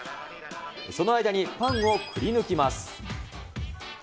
その間にパンをくりぬきます。